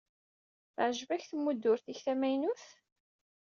Teɛjeb-ak tmudrut-ik tamaynut?